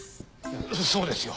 そうですよ。